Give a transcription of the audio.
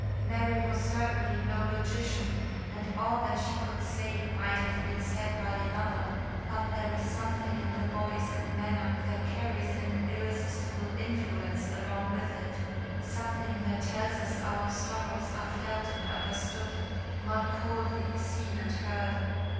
Mary was certainly no logician, and all that she could say might have been said by another; but there is something in the voice and manner that carries an irresistible influence along with it something that tells us our sorrows are felt and understood, not coldly seen and heard.